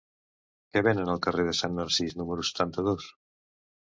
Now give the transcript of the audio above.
Què venen al carrer de Sant Narcís número setanta-dos?